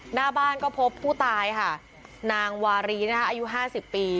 หน้าบ้านก็พบผู้ตายค่ะนางวารีนะคะอายุ๕๐ปี